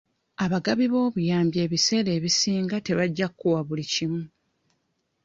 Abagabi b'obuyambi ebiseera ebisinga tebajja kuwa buli kimu.